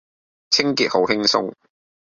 清潔好輕鬆